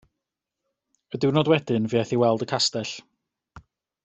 Y diwrnod wedyn fe aeth i weld y castell.